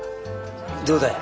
どうだい？